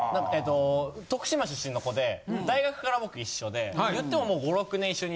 徳島出身の子で大学から僕一緒で言ってももう。